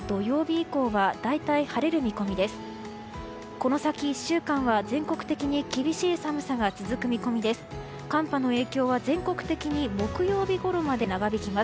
この先１週間は全国的に厳しい寒さが続く見込みです。